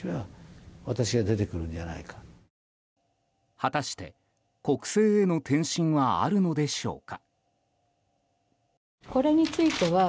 果たして、国政への転身はあるのでしょうか。